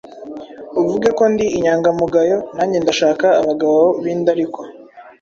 Uvuge ko ndi inyangamugayo, nange ndashaka abagabo b’indarikwa